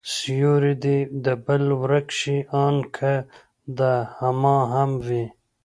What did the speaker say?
سيورى دي د بل ورک شي، آن که د هما هم وي